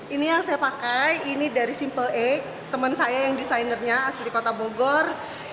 ini yang saya pakai ini dari simple egg temen saya yang desainernya asli kota bogor